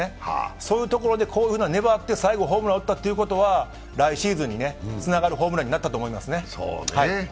そういうところで粘って最後にホームランを打ったということは来シーズンにつながるホームランになったと思いますね。